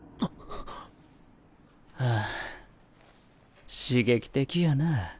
はぁ刺激的やな。